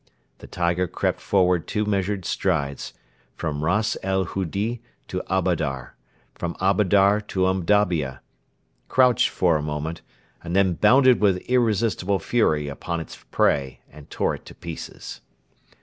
The tiger crept forward two measured strides from Ras el Hudi to Abadar, from Abadar to Umdabia crouched for a moment, and then bounded with irresistible fury upon its prey and tore it to pieces.